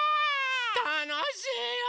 たのしいよね。